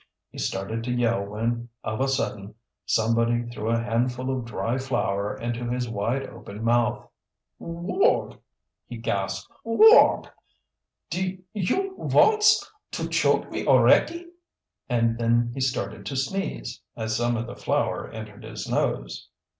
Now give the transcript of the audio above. He started to yell when of a sudden somebody threw a handful of dry flour into his wide open mouth. "Wuog!" he gasped. "Wuog! Do you wants to choke me alretty!" And then he started to sneeze, as some of the flour entered his nose.